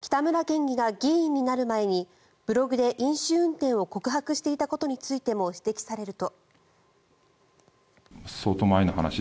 更に北村県議が議員になる前にブログで飲酒運転を告白していたことについても指摘されると。